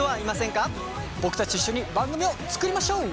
僕たちと一緒に番組を作りましょう！